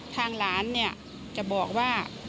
ทางหลานเนี่ยจะบอกว่า